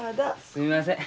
すみません。